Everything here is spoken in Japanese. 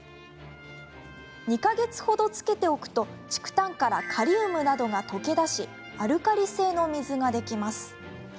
２か月程つけておくと竹炭からカリウムなどが溶け出しアルカリ性の水ができます。